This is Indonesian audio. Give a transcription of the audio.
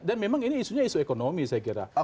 karena memang ini isunya isu ekonomi saya kira